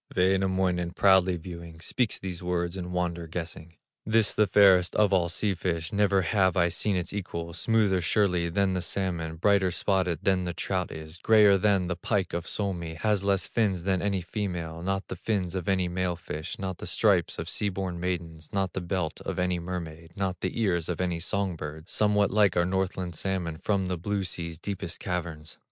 Wainamoinen, proudly viewing, Speaks these words in wonder guessing: "This the fairest of all sea fish, Never have I seen its equal, Smoother surely than the salmon, Brighter spotted than the trout is, Grayer than the pike of Suomi, Has less fins than any female, Not the fins of any male fish, Not the stripes of sea born maidens, Not the belt of any mermaid, Not the ears of any song bird, Somewhat like our Northland salmon From the blue sea's deepest caverns."